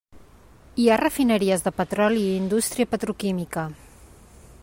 Hi ha refineries de petroli i indústria petroquímica.